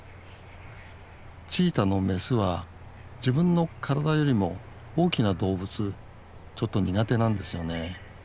チーターのメスは自分の体よりも大きな動物ちょっと苦手なんですよね。